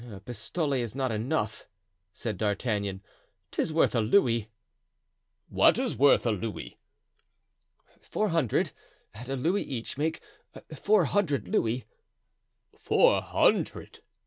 "A pistole is not enough," said D'Artagnan, "'tis worth a louis." "What is worth a louis?" "Four hundred, at a louis each, make four hundred louis." "Four hundred?"